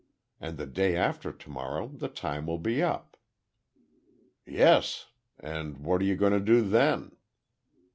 And the day after tomorrow the time will be up." "Yes, and what are you going to do then?"